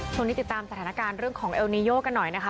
ช่วงนี้ติดตามสถานการณ์เรื่องของเอลนีโยกันหน่อยนะคะ